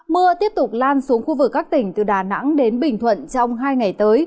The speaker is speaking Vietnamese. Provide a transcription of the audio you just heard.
mưa tiếp tục lan xuống khu vực các tỉnh từ đà nẵng đến bình thuận trong hai ngày tới